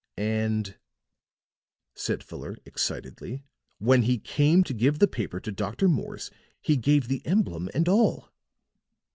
"And," said Fuller, excitedly, "when he came to give the paper to Dr. Morse, he gave the emblem and all."